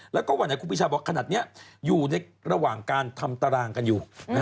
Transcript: แล้วก็วันไหนครูปีชาบอกขนาดนี้อยู่ในระหว่างการทำตารางกันอยู่